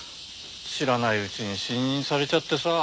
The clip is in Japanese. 知らないうちに死人にされちゃってさ。